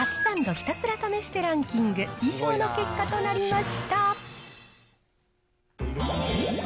ひたすら試してランキング、以上の結果となりました。